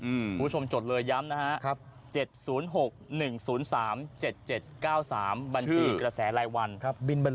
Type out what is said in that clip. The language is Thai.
อืมครับก็จดเลยย้ำนะฮะ๗๐๖๑๐๓๗๗๙๓บัญชีกระแสไร้วัน